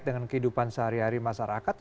dengan kehidupan sehari hari masyarakat